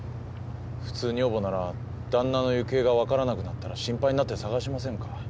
普通女房ならだんなの行方が分からなくなったら心配になって捜しませんか？